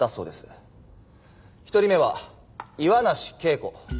１人目は岩梨桂子。